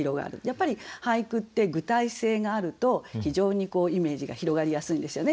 やっぱり俳句って具体性があると非常にイメージが広がりやすいんですよね。